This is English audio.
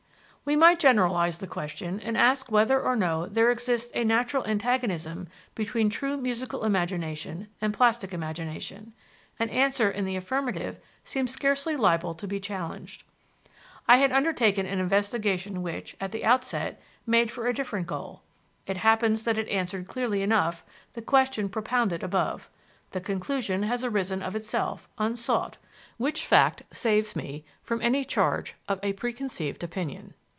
We might generalize the question and ask whether or no there exists a natural antagonism between true musical imagination and plastic imagination. An answer in the affirmative seems scarcely liable to be challenged. I had undertaken an investigation which, at the outset, made for a different goal. It happens that it answered clearly enough the question propounded above: the conclusion has arisen of itself, unsought; which fact saves me from any charge of a preconceived opinion.